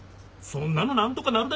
そんなの何とかなるだろ。